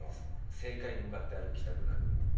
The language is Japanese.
正解に向かって歩きたくなる。